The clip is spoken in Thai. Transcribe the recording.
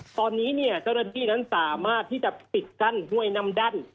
ตอนนี้เนี่ยเจ้าหน้าที่นั้นสามารถที่จะปิดกั้นห้วยนำดั้น